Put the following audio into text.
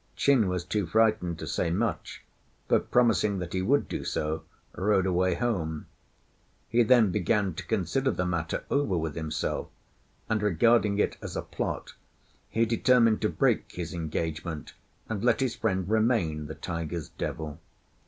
Chin was too frightened to say much, but promising that he would do so, rode away home. He then began to consider the matter over with himself, and, regarding it as a plot, he determined to break his engagement, and let his friend remain the tiger's devil.